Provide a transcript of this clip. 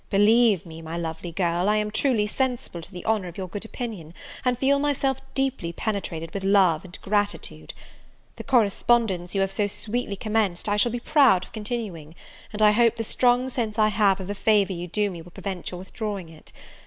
Believe me, my lovely girl, I am truly sensible to the honour of your good opinion, and feel myself deeply penetrated with love and gratitude. The correspondence you have so sweetly commenced, I shall be proud of continuing; and I hope the strong sense I have of the favour you do me will prevent your withdrawing it.